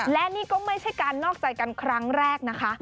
และนี่ก็ไม่ใช่การนอกใจกันครั้งแรกนะคะ